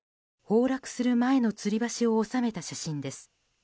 崩落する前のつり橋を収めた写真です。